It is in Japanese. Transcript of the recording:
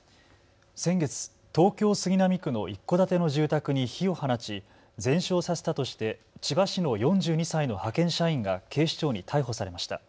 先月、東京杉並区の一戸建ての住宅に火を放ち全焼させたとして千葉市の４２歳の派遣社員が警視庁に逮捕されました。